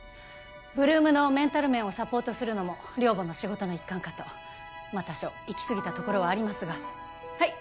８ＬＯＯＭのメンタル面をサポートするのも寮母の仕事の一環かとまあ多少行き過ぎたところはありますがはい！